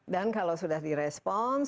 dan kalau sudah di respon